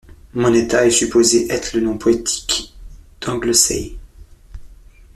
Moneta est supposé être le nom poétique d'Anglesey.